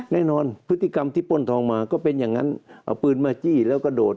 แน่นอนพฤติกรรมที่ป้นทองมาก็เป็นอย่างนั้นเอาปืนมาจี้แล้วก็โดด